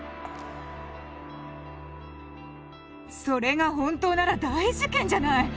それが本当なら大事件じゃない！